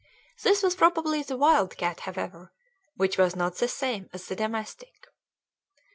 This was probably the wild cat, however, which was not the same as the domestic.